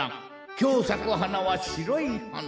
きょうさくはなはしろいはな。